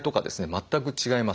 全く違います。